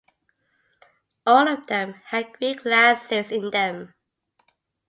All of them had green glasses in them.